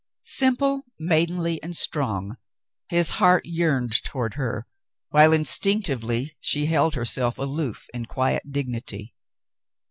Simple, maidenly, and strong, his heart yearned toward her, while instinctively she held herself aloof in quiet dignity.